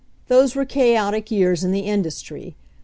Those were chaotic years in the industry.